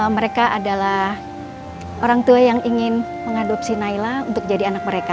mereka adalah orang tua yang ingin mengadopsi naila untuk jadi anak mereka